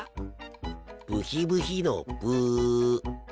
ブヒブヒのブ。